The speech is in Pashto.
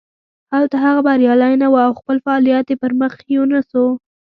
هلته هغه بریالی نه و او خپل فعالیت یې پرمخ یو نه شو.